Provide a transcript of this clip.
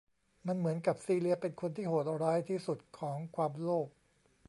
มันเหมือนกับซีเลียเป็นคนที่โหดร้ายที่สุดของความโลภ